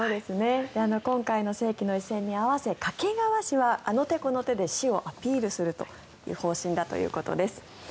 今回の世紀の一戦に合わせ掛川市はあの手この手で市をアピールする方針だということです。